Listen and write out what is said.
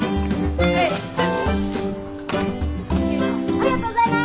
ありがとうございます！